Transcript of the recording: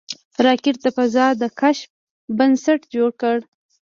راکټ د فضا د کشف بنسټ جوړ کړ